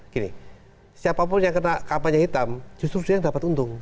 gini siapapun yang kena kampanye hitam justru dia yang dapat untung